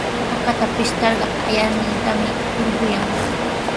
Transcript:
Hakata pishtarqa ayaqnintami hurqayan.